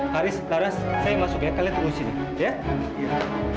haris laras saya masuk ya kalian tunggu sini ya